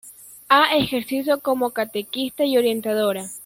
Ha ejercido como catequista y orientadora.